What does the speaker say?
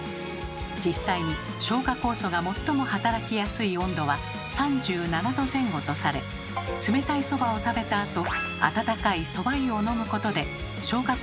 実際に消化酵素が最も働きやすい温度は３７℃前後とされ冷たいそばを食べたあと温かいそば湯を飲むことで消化